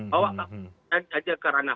bahwa ada kerana